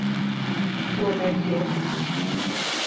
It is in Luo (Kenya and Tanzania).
Kuom adier